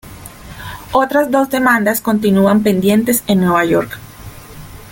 Otras dos demandas continúan pendientes en Nueva York.